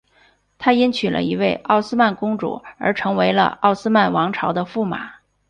他因娶了一位奥斯曼公主而成为了奥斯曼王朝的驸马。